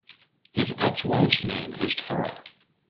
His ex-wife's name is Tara.